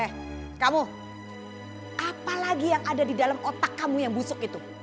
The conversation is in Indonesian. eh kamu apalagi yang ada di dalam otak kamu yang busuk itu